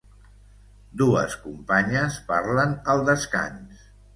Dues companyes parlen al descans.